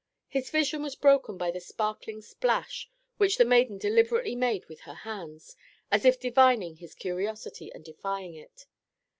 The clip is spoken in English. His vision was broken by the sparkling splash which the maiden deliberately made with her hands, as if divining his curiosity and defying it.